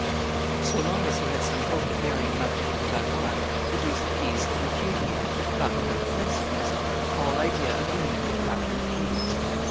So long as he had some hope of marrying Marguerite de Valois, the Duke of Guise had repudiated, not without offensiveness, all idea of union with Catherine of Cleves.